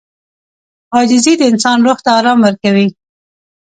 • عاجزي د انسان روح ته آرام ورکوي.